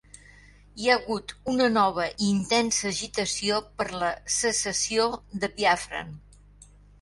Hi ha hagut una nova i intensa agitació per la secessió de Biafran.